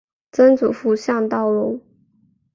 曾祖父向道隆。